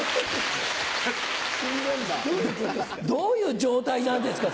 どういう状態なんですか？